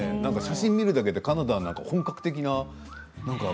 写真を見るだけでカナダは本格的な。